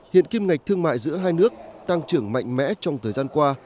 hiện kim ngạch thương mại giữa hai nước tăng trưởng mạnh mẽ trong thời gian qua